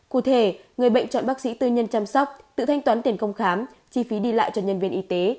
cụ thể người bệnh chọn bác sĩ tư nhân chăm sóc tự thanh toán tiền công khám chi phí đi lại cho nhân viên y tế